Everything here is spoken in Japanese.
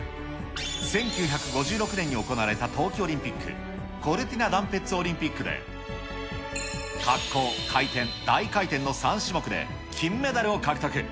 １９５６年に行われた冬季オリンピック、コルティナダンペッツォオリンピックで、滑降、回転、大回転の３種目で金メダルを獲得。